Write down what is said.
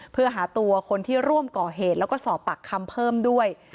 เพื่อหาตัวคนที่ร่วมก่อเหตุแล้วก็สอบปากคำเพิ่มด้วย